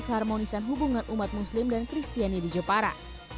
keharmonisan hubungan umat muslim dan kristiani di jepara